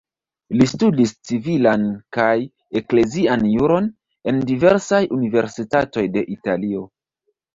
Li studis civilan kaj eklezian juron en diversaj universitatoj de Italio.